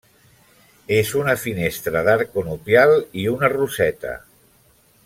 És una finestra d'arc conopial i una roseta.